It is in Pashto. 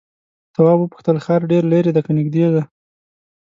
تواب وپوښتل ښار ډېر ليرې دی که نږدې دی؟